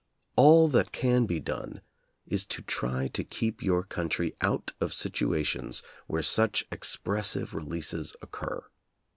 All that can be done is to try to keep your country out of situations where such expres [n6] sive releases occur.